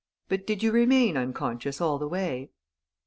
But did you remain unconscious all the way?"